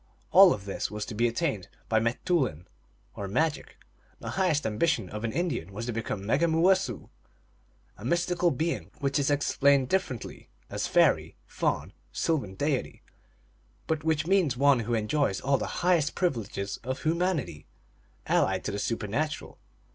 All of this was to be attained by m te oulin, or magic. The highest ambition of an Indian was to become a Megumooicessoo, a mystical being, which is explained differently as fairy, faun, sylvan deity, but which means one who enjoys all the high est privileges of humanity allied to the supernatural.